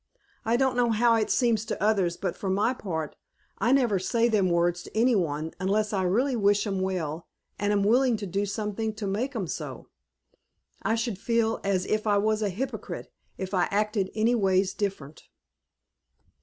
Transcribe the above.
I don't know how it seems to others, but for my part I never say them words to any one unless I really wish 'em well, and am willing to do something to make 'em so. I should feel as if I was a hypocrite if I acted anyways different."